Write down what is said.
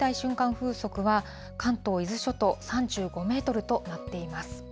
風速は、関東、伊豆諸島、３５メートルとなっています。